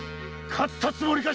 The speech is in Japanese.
勝ったつもりか？